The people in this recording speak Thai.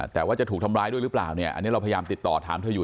แต่ว่าจะถูกทำร้ายด้วยหรือเปล่าเนี่ยอันนี้เราพยายามติดต่อถามเธออยู่